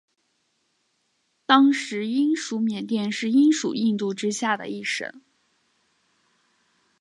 当时英属缅甸是英属印度之下的一省。